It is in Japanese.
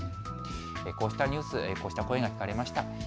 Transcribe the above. こうしたニュース、声が聞かれました。